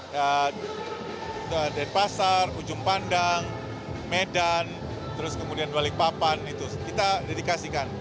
dari pasar ujung pandang medan terus kemudian balik papan itu kita dedikasikan